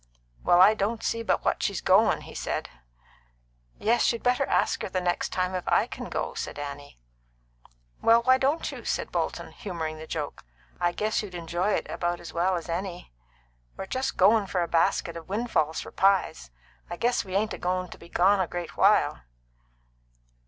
"Well, I don't see but what she's goin'," he said. "Yes; you'd better ask her the next time if I can go," said Annie. "Well, why don't you?" asked Bolton, humouring the joke. "I guess you'd enjoy it about as well as any. We're just goin' for a basket of wind falls for pies. I guess we ain't a goin' to be gone a great while."